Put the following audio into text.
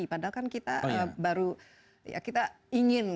padahal kan kita ingin